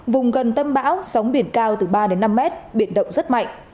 vùng gần tâm bão sóng biển cao từ ba đến năm mét biển động rất mạnh